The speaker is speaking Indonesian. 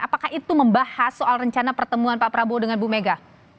apakah itu membahas soal rencana pertemuan pak prabowo dengan bu mega